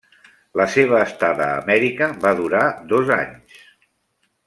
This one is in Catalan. La seva estada a Amèrica va durar dos anys.